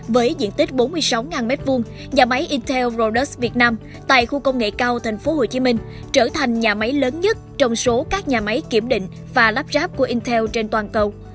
với diện tích bốn mươi sáu m hai nhà máy intel rodus việt nam tại khu công nghệ cao tp hcm trở thành nhà máy lớn nhất trong số các nhà máy kiểm định và lắp ráp của intel trên toàn cầu